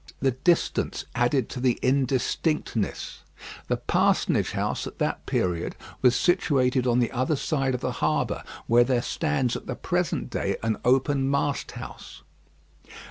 The distance added to the indistinctness. The parsonage house at that period was situated on the other side of the harbour, where there stands at the present day an open mast house.